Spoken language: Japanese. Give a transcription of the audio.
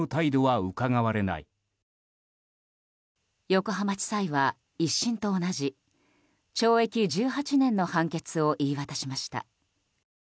横浜地裁は１審と同じ懲役１８年の判決を言い渡しました。